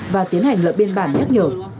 và tiến hành lợi biên bản nhắc nhở